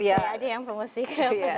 saya aja yang pemusik